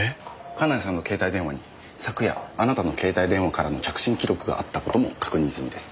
金谷さんの携帯電話に昨夜あなたの携帯電話からの着信記録があった事も確認済みです。